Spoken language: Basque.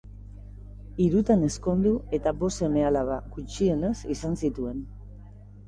Hirutan ezkondu eta bost seme-alaba, gutxienez, izan zituen.